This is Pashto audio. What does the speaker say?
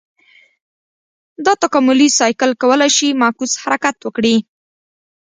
دا تکاملي سایکل کولای شي معکوس حرکت وکړي.